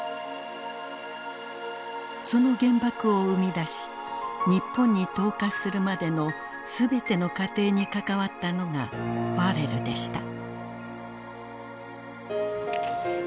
その原爆を生み出し日本に投下するまでの全ての過程に関わったのがファレルでした。